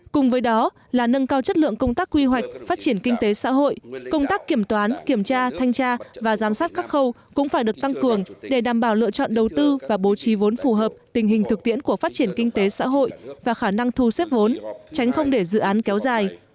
cùng với đó là nâng cao chất lượng công tác quy hoạch phát triển kinh tế xã hội công tác kiểm toán kiểm tra thanh tra và giám sát các khâu cũng phải được tăng cường để đảm bảo lựa chọn đầu tư và bố trí vốn phù hợp tình hình thực tiễn của phát triển kinh tế xã hội và khả năng thu xếp vốn tránh không để dự án kéo dài